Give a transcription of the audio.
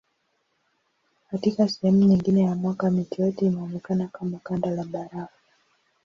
Katika sehemu nyingine ya mwaka mito yote inaonekana kama kanda la barafu.